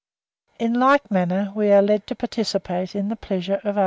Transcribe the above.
In like manner we are led to participate in the pleasures of others.